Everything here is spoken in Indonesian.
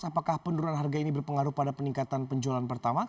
apakah penurunan harga ini berpengaruh pada peningkatan penjualan pertama